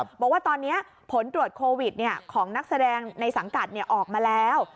บอกว่าตอนนี้ผลตรวจโควิดของนักแสดงในสังกัดออกมาแล้ว